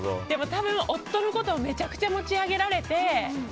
多分、夫のことをめちゃめちゃ持ち上げられて。